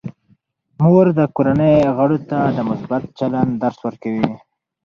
مور د کورنۍ غړو ته د مثبت چلند درس ورکوي.